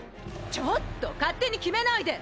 ちょっと勝手に決めないで！